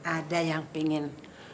ada yang pengen